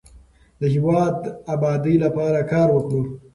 د هیواد د ابادۍ لپاره کار وکړو.